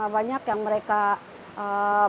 banyak yang mereka mau berobat